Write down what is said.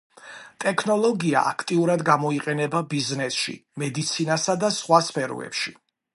ტექნოლოგია აქტიურად გამოიყენება ბიზნესში, მედიცინასა და სხვა სფეროებში.